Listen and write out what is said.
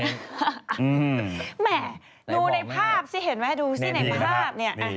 ดูในภาพสิเห็นไหมดูสิในภาพนี้